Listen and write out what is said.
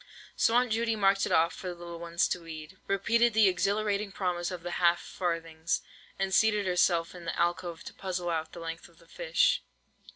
So Aunt Judy marked it off for the little ones to weed, repeated the exhilarating promise of the half farthings, and seated herself in the alcove to puzzle out the length of the fish.